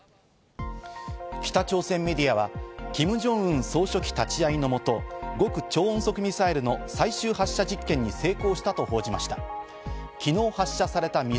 北朝鮮メディアはキム・ジョンウン総書記立ち会いのもと、極超音速ミサイルの最終発射実験に成功したと報じました。